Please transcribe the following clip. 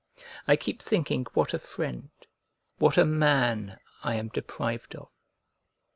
I keep thinking what a friend, what a man, I am deprived of.